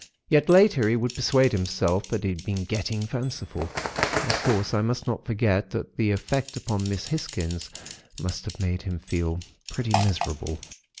Yet, later, he would persuade himself that he had been getting fanciful. Of course, I must not forget that the effect upon Miss Hisgins must have made him feel pretty miserable.